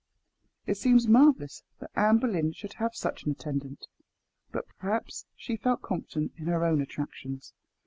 It seems marvellous that Anne Boleyn should have such an attendant; but perhaps she felt confident in her own attractions.